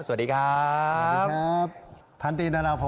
สวัสดีครับ